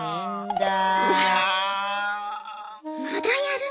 まだやる？